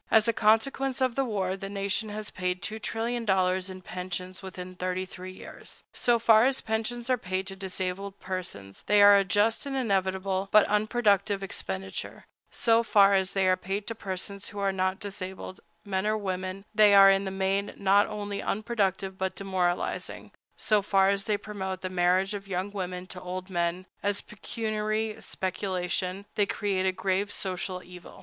As a consequence of the war, the nation has paid $2,000,000,000 in pensions within thirty three years. So far as pensions are paid to disabled persons, they are a just and inevitable, but unproductive expenditure; so far as they are paid to persons who are not disabled,—men or women,—they are in the main not only unproductive but demoralizing; so far as they promote the marriage of young women to old men, as a pecuniary speculation, they create a grave social evil.